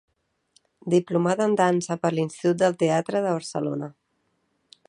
Diplomada en Dansa per l'Institut del Teatre de Barcelona.